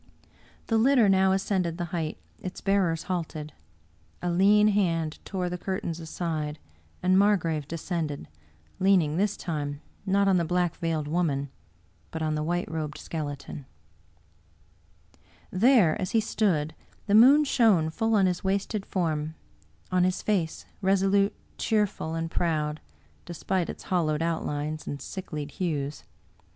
The litter now ascended the height: its bearers halted; a lean hand tore the curtains aside, and Margrave de scended leaning, this time, not on the Black veiled Woman, but on the White robed Skeleton. 78 Bulwer Lytton There, as he stood, the moon shone full on his wasted form; on his face, resolute, cheerful, and proud, despite its hollowed outlines and sicklied hues.